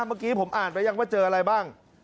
เมื่อกี้ผมอ่านไปยังว่าเจออะไรบ้าง